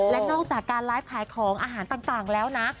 และนอกจากการไลฟ์ขายของอาหารต่างแล้วนะ